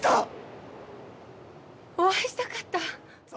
お会いしたかった。